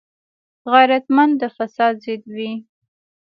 غیرتمند د فساد ضد وي